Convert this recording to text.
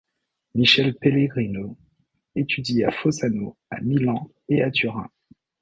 Michele Pellegrino étudie à Fossano, à Milan et à Turin.